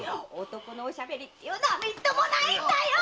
男のお喋りっていうのはみっともないんだよ‼